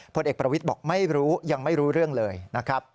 ผลเอกประวิทย์บอกไม่รู้ยังไม่รู้เรื่องเลยนะครับ